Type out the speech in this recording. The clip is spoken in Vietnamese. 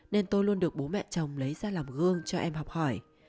nên tôi luôn được bố mẹ chồng lấy ra làm gương cho em học hỏi